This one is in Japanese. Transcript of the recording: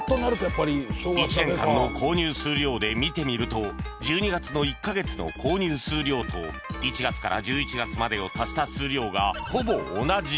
１年間の購入数量で見てみると１２月の１カ月の購入数量と１月から１１月までを足した数量がほぼ同じ